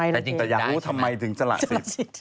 แต่อยากรู้ทำไมถึงสละสิทธิ์